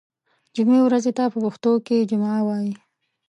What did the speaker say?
جمعې ورځې ته په پښتو ژبه کې جمعه وایی